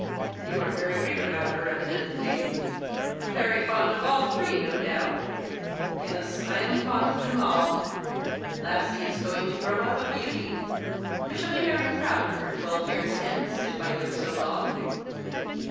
" You are very weak about her evidently— very fond of all three, no doubt ?"" Yes, I am fond of them all. Lassie is going to grow up a beauty. I shall be very proud of her twelve years hence, if I live so long."